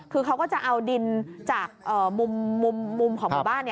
คือเขาก็จะเอาดินจากมุมของหมู่บ้าน